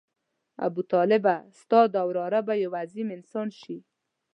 ابوطالبه ستا دا وراره به یو عظیم انسان شي.